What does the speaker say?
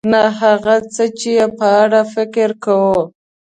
نه هغه څه چې په اړه یې فکر کوو .